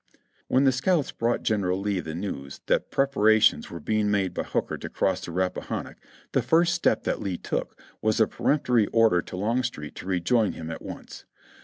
When the scouts brought General Lee the news that preparations were being made by Hooker to cross the Rappahannock the first step that Lee took was a peremptory order to Longstreet to rejoin him at once.